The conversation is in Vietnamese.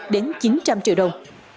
đến chín trăm linh triệu đồng